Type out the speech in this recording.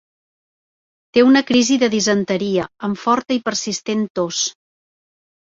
Té una crisi de disenteria amb forta i persistent tos.